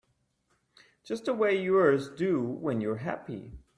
Just the way yours do when you're happy.